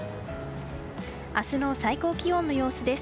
明日の最高気温の様子です。